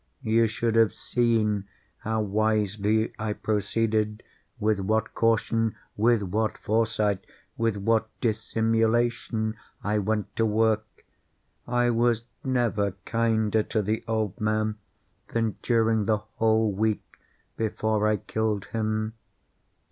You should have seen how wisely I proceeded—with what caution—with what foresight—with what dissimulation I went to work! I was never kinder to the old man than during the whole week before I killed him.